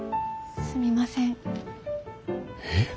すみません。